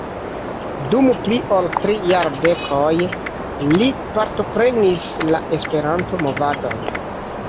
Dum pli ol tri jardekoj li partoprenis la Esperanto-movadon.